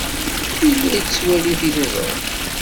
Yella yettwali tiliẓri.